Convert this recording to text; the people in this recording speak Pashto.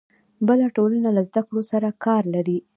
بله ټولنه له زده کړو سره کار لري.